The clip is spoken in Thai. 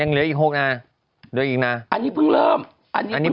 ยังเหลืออีกหกน่ะเดี๋ยวอีกน่ะอันนี้เพิ่งเริ่มอันนี้เพิ่งเริ่ม